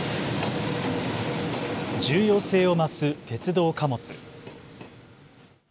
重要性を増す鉄道貨物。